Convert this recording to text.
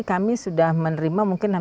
kami sudah menerima mungkin